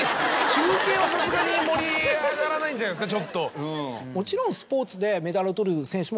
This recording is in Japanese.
中継はさすがに盛り上がらないんじゃないですか。